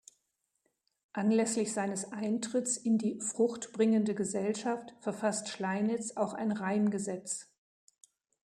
Anlässlich seines Eintritts in die Fruchtbringende Gesellschaft verfasst Schleinitz auch ein Reimgesetz.